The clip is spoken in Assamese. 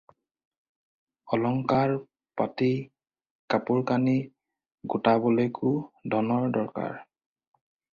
অলংকাৰ-পাতি, কাপোৰ-কানি গোটাবলৈকো ধনৰ দৰকাৰ।